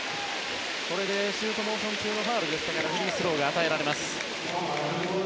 シュートモーション中のファウルでしたのでフリースローが与えられます。